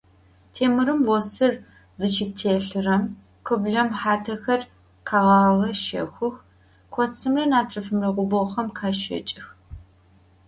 Têmırım vosır zışıtêlhırem, khıblem xatexer kheğağe şexhux, kotsımre natrıfımre gubğoxem khaşeç'ıx.